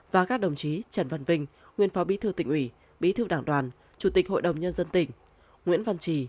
và các đồng chí trần văn vinh nguyên phó bí thư tỉnh ủy bí thư đảng đoàn chủ tịch hội đồng nhân dân tỉnh nguyễn văn trì